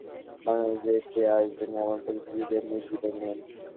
শিক্ষার্থীরা চাইলে অবশ্যই আবার বাংলাদেশে আসবেন, এমন প্রতিশ্রুতি দিয়ে মীর বিদায় নিলেন।